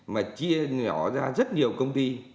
mà chia nhỏ ra rất nhiều công ty